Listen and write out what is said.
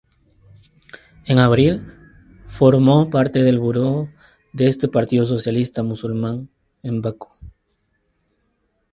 En abril, formó parte del buró de este partido socialista musulmán en Bakú.